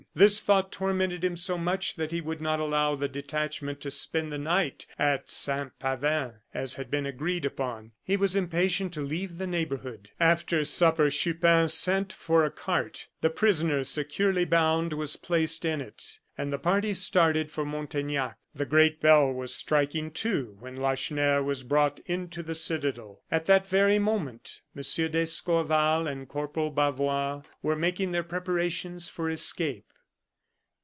This thought tormented him so much that he would not allow the detachment to spend the night at Saint Pavin, as had been agreed upon. He was impatient to leave the neighborhood. After supper Chupin sent for a cart; the prisoner, securely bound, was placed in it, and the party started for Montaignac. The great bell was striking two when Lacheneur was brought into the citadel. At that very moment M. d'Escorval and Corporal Bavois were making their preparations for escape.